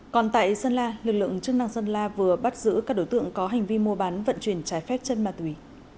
còn tại sơn la lực lượng chức năng sơn la vừa bắt giữ các đối tượng có hành vi mua bán vận chuyển trái phép chân ma túy